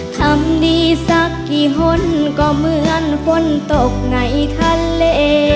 ทำดีสักกี่คนก็เหมือนฝนตกในทะเล